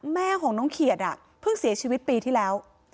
แม่ของน้องเขียดเพิ่งเสียชีวิตปีที่แล้ว